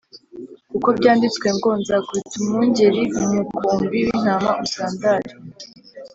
kuko byanditswe ngo ‘Nzakubita umwungeri, umukumbi w’intama usandare.’